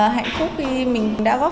hạnh phúc khi mình đã góp